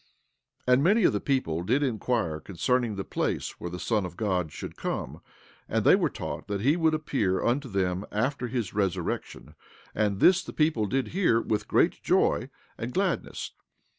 16:20 And many of the people did inquire concerning the place where the Son of God should come; and they were taught that he would appear unto them after his resurrection; and this the people did hear with great joy and gladness.